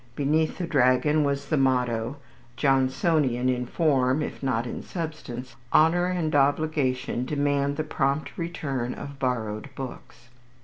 Beneath the dragon was the motto (Johnsonian in form if not in substance), "Honour and Obligation demand the prompt return of borrowed Books."